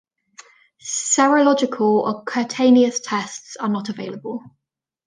Serological or cutaneous tests are not available.